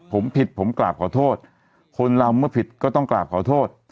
ผมผิดผมกราบขอโทษคนเราเมื่อผิดก็ต้องกราบขอโทษ